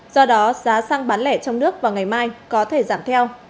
do đó giá xăng bán lẻ trong nước vào ngày mai có thể giảm theo